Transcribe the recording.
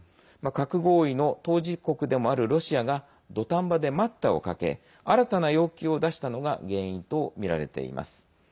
核合意の当事国でもあるロシアが土壇場で待ったをかけ新たな要求を出したのが原因とみられています。